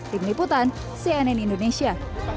dini putan cnn indonesia